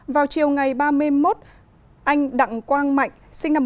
vào chiều ngày ba mươi một anh đặng quang mạnh sinh năm một nghìn chín trăm một mươi sáu